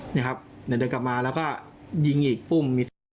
นี่ครับเดี๋ยวเดินกลับมาแล้วก็ยิงอีกปุ้ม